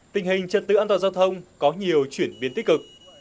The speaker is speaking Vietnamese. tình hình trật tự an toàn giao thông có nhiều chuyển biến tích cực